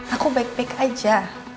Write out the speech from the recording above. aku baik baik aja